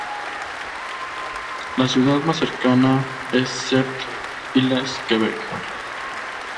La ciudad más cercana es Sept-Îles, Quebec.